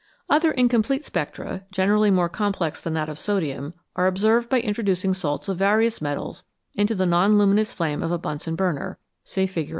Other incomplete spectra, generally more complex than that of sodium, are observed by introducing salts of various metals into the non luminous flame of a Bunsen burner (see Fig.